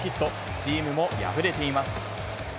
チームも敗れています。